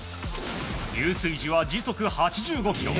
入水時は時速８５キロ。